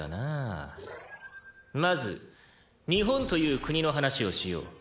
まず日本という国の話をしよう。